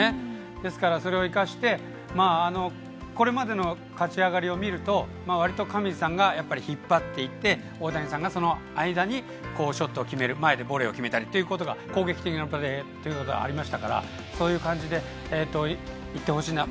ですから、それを生かしてこれまでの勝ち上がりを見るとわりと上地さんがやっぱり引っ張っていて大谷さんがその間にショットを決める前でボレーを決めたり攻撃的なところがありましたからそういう感じでいってほしいなと。